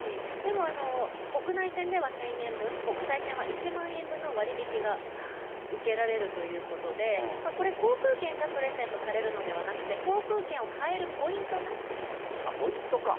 でも、国内線では１０００円分、国際線は１万円分の割引が受けられるということで、これ、航空券がプレゼントされるのではなくて、ポイントか。